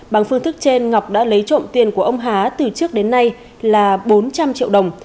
bằng phương thức trên ngọc đã lấy trộm tiền của ông hán từ trước đến nay là bốn trăm linh triệu đồng